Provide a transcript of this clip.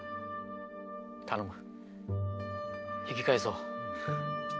頼む引き返そう。